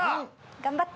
頑張って。